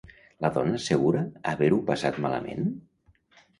La dona assegura haver-ho passat malament?